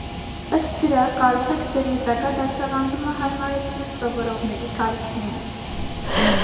Ըստ դրա՝ կարող եք ձեր հետագա դասավանդումը հարմարեցնել սովորողների կարիքներին։